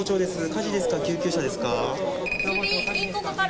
火事ですか、救急車ですか。